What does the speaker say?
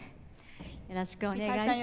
よろしくお願いします。